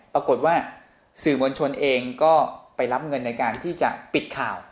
ปรากฏว่าสื่อมวลชนเองก็ไปรับเงินในการที่จะปิดข่าว